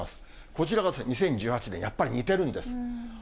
こちらが２０１８年、やっぱり似てるんです。